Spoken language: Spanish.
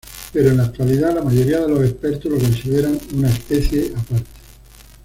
Pero en la actualidad la mayoría de los expertos lo consideran una especie aparte.